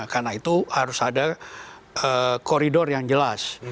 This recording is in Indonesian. karena itu harus ada koridor yang jelas